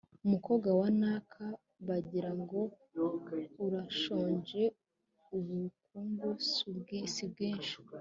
Umukobwa wa Naka, Bagira ngo urashonjeUbukungu si bwinshi